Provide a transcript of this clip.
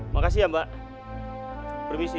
makasih ya mbak permisi